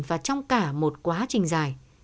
và trong cả một quá trình dài